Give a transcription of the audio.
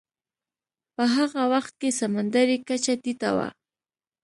په هغه وخت کې سمندرې کچه ټیټه وه.